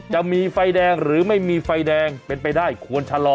จะมีไฟแดงหรือไม่มีไฟแดงเป็นไปได้ควรชะลอ